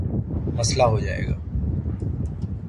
مسلہ ہو جائے گا